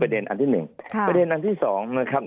ภารกิจสรรค์ภารกิจสรรค์